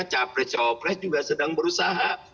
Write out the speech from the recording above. capres capres juga sedang berusaha